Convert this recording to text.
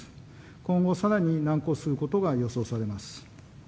今後さらに難航することが予想されます。